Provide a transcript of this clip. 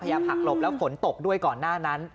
หักหลบแล้วฝนตกด้วยก่อนหน้านั้น